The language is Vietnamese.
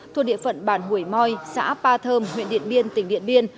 thuộc địa phận bản hủy môi xã ba thơm huyện điện biên tỉnh điện biên